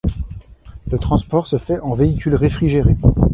Le transport se fait en véhicule réfrigéré.